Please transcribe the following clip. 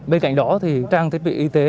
bên cạnh đó trang thiết bị y tế